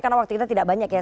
karena waktu kita tidak ada